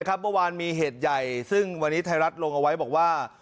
เมื่อวานมีเหตุใหญ่ซึ่งวันนี้ไทยรัฐลงเอาไว้บอกว่า